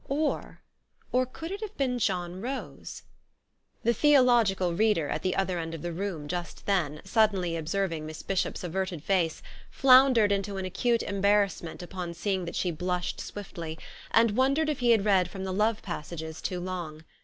Or or could it have been John Rose ? The theological reader at the other end of the room just then, suddenly observing Miss Bishop's averted face, floundered into an acute embarrassment upon seeing that she blushed swiftly, and wondered THE STORY OF AVIS. if he had read from the love passages too long.